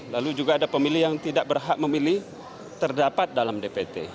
lalu juga ada pemilih yang tidak berhak memilih terdapat dalam dpt